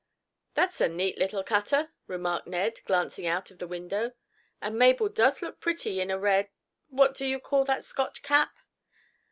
"That's a neat little cutter," remarked Ned, glancing out of the window. "And Mabel does look pretty in a red—what do you call that Scotch cap?"